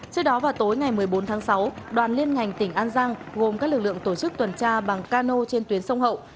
trước đó vào tối ngày một mươi bốn tháng sáu đoàn liên ngành tỉnh an giang gồm các lực lượng tổ chức tuần tra bằng cano trên tuyến sông hậu